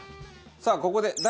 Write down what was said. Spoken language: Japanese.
さあここで。